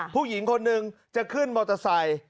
ผู้หญิงคนหนึ่งจะขึ้นมอเตอร์ไซค์